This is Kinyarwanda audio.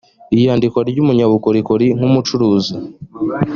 iyandikwa ry umunyabukorikori nk umucuruzi